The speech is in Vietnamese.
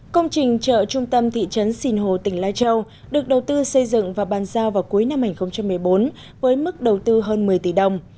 công trình chợ trung tâm thị trấn sinh hồ tỉnh lai châu được đầu tư xây dựng và bàn giao vào cuối năm hai nghìn một mươi bốn với mức đầu tư hơn một mươi tỷ đồng